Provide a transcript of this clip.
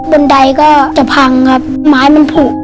บันไดก็จะพังครับไม้มันผูก